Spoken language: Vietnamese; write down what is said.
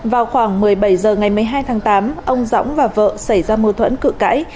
vào khoảng một mươi bảy h ngày một mươi hai tháng tám ông dõng và vợ xảy ra mâu thuẫn cự cãi